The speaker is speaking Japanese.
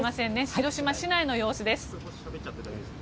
広島市内の様子です。